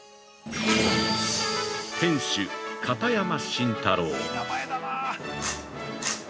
店主、片山心太郎。